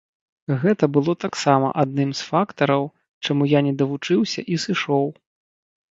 Гэта было таксама адным з фактараў, чаму я не давучыўся і сышоў.